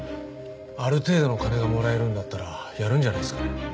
ある程度の金がもらえるんだったらやるんじゃないですかね。